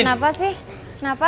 kenapa sih kenapa